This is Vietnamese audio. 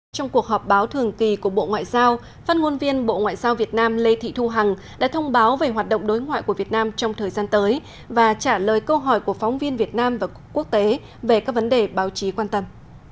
trong cuộc họp báo thường kỳ của bộ ngoại giao phát ngôn viên bộ ngoại giao việt nam lê thị thu hằng đã thông báo về hoạt động đối ngoại của việt nam trong thời gian tới và trả lời câu hỏi của phóng viên việt nam và quốc tế về các vấn đề báo chí quan tâm